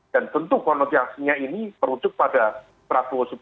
dan tentu konotiasinya ini berutuk pada prasid